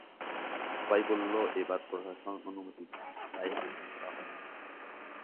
সবাই বলল, এবার প্রশাসন অনুমতি দিবে না, তাই আবেদন করা হয়নি।